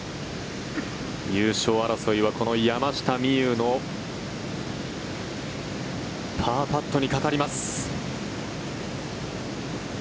優勝争いはこの山下美夢有のパーパットにかかります。